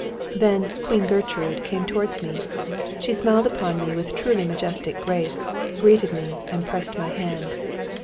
Then "Queen Gertrude" came towards me. She smiled upon me with truly majestic grace, greeted me and pressed my hand.